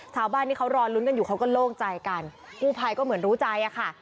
ชาวบ้านที่เขารอลุ้นกันอยู่เขาก็โล่งใจกันกู้ภัยก็เหมือนรู้ใจอะค่ะ